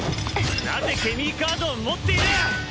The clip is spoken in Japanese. なぜケミーカードを持っている！？